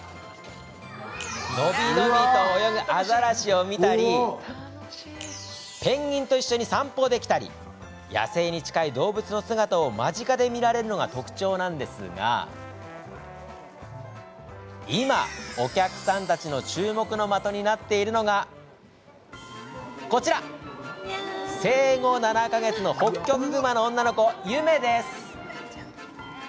のびのびと泳ぐアザラシを見たりペンギンと一緒に散歩できたり野生に近い動物の姿を間近で見られるのが特徴なんですが今、お客さんたちの注目の的になっているのがこちら、生後７か月のホッキョクグマの女の子ゆめです。